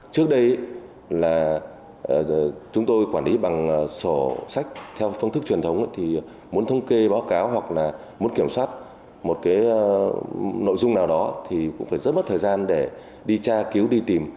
trước đây là chúng tôi quản lý bằng sổ sách theo phương thức truyền thống thì muốn thông kê báo cáo hoặc là muốn kiểm soát một cái nội dung nào đó thì cũng phải rất mất thời gian để đi tra cứu đi tìm